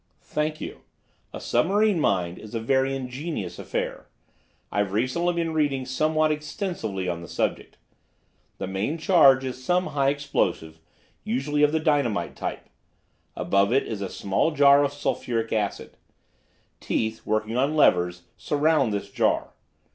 "Thank you. A submarine mine is a very ingenious affair. I've recently been reading somewhat extensively on the subject. The main charge is some high explosive, usually of the dynamite type. Above it is a small jar of sulphuric acid. Teeth, working on levers, surround this jar.